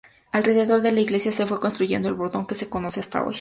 Alrededor de la iglesia se fue construyendo el Bordón que se conoce hasta hoy.